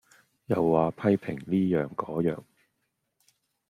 又話批評哩樣個樣